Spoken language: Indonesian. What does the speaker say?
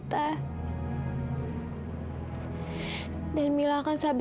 janganlah siane siap costio